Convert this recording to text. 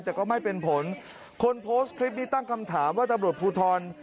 แต่ก็ไม่เป็นผลคนโพสต์คลิปนี้ตั้งคำถามว่าตำรวจภูทร